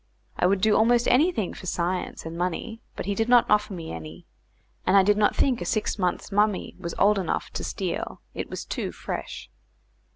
I would do almost anything for science and money, but he did not offer me any, and I did not think a six months' mummy was old enough to steal; it was too fresh.